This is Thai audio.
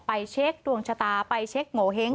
เช็คดวงชะตาไปเช็คโงเห้ง